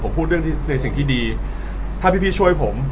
อะไรถึงสิ่งที่ดีถ้าพี่ช่วยผม